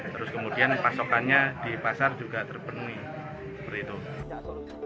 terus kemudian pasokannya di pasar juga terpenuhi